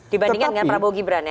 dibandingkan dengan prabowo gibran ya